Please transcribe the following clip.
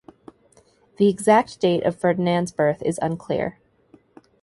The exact date of Ferdinand's birth is unclear.